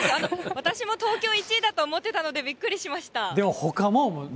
私も東京１位だと思ってたので、びっくりしまでも他ももっと。